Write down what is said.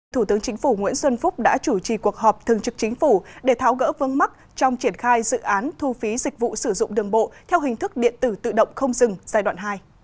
thủ tướng chính phủ nguyễn xuân phúc đã chủ trì cuộc họp thường trực chính phủ để tháo gỡ vương mắc trong triển khai dự án thu phí dịch vụ sử dụng đường bộ theo hình thức điện tử tự động không dừng giai đoạn hai